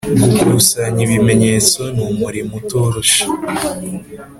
gukusanya ibimenyetso ni umurimo utoroshe